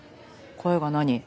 声が何？